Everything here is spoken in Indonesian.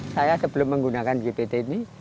saya sebelum menggunakan gpt ini